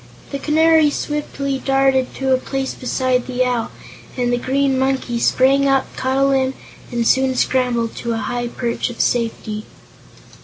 The Canary swiftly darted to a place beside the Owl, and the Green Monkey sprang up, caught a limb, and soon scrambled to a high perch of safety.